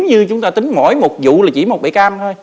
như chúng ta tính mỗi một vụ là chỉ một bể cam thôi